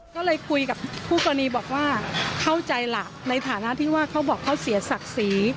ก็เลยคุยกับคู่กรณีบอกว่าเข้าใจล่ะในฐานะที่ว่าเขาบอกเขาเสียศักดิ์ศรี